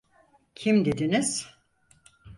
Kim dediniz?